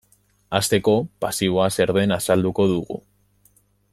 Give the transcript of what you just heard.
Hasteko, Pasiboa zer den azalduko dugu.